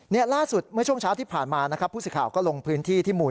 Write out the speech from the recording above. นี่ล่าสุดเมื่อช่วงเช้าที่ผ่านมานะครับผู้สื่อข่าวก็ลงพื้นที่ที่หมู่